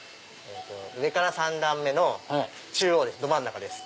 上から３段目のど真ん中です。